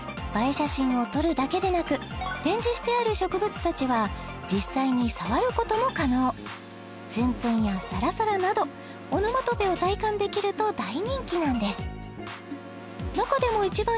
写真を撮るだけでなく展示してある植物達は実際に触ることも可能ツンツンやサラサラなどオノマトペを体感できると大人気なんです